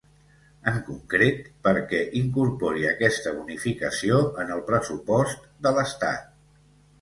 En concret, perquè incorpori aquesta bonificació en el pressupost de l’estat.